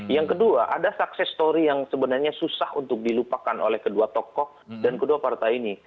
yang kedua ada sukses story yang sebenarnya susah untuk dilupakan oleh kedua tokoh dan kedua partai ini